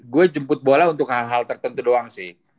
gue jemput bola untuk hal hal tertentu doang sih